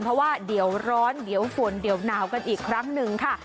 เพราะว่าเดี๋ยวร้อนเดี๋ยวฝนเดี๋ยวหนาวกันอีกครั้งหนึ่งค่ะ